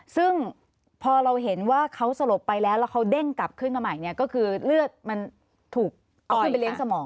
ซึ่งพอเราเห็นว่าเขาสลบไปแล้วแล้วเขาเด้งกลับขึ้นมาใหม่เนี่ยก็คือเลือดมันถูกเอาขึ้นไปเลี้ยสมอง